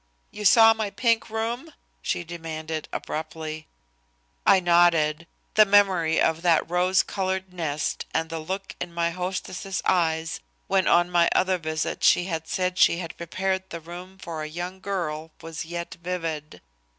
"You saw my pink room?" she demanded abruptly. I nodded. The memory of that rose colored nest and the look in my hostess's eyes when on my other visit she had said she had prepared the room for a young girl was yet vivid.